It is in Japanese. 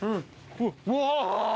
うわ！